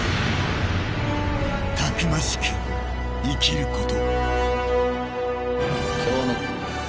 たくましく生きること。